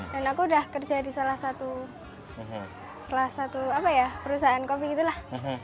dan aku udah kerja di salah satu perusahaan kopi gitu lah